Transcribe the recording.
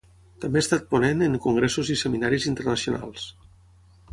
També ha estat ponent en congressos i seminaris internacionals.